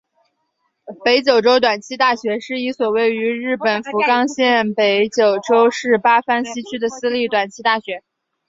北九州短期大学是一所位于日本福冈县北九州市八幡西区的私立短期大学。